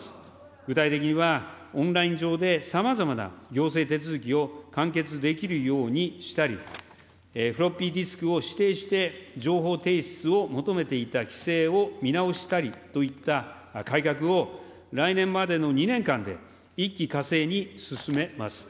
具体的には、オンライン上でさまざまな行政手続きを完結できるようにしたり、フロッピーディスクを指定して情報提出を求めていた規制を見直したりといった改革を来年までの２年間で、一気かせいに進めます。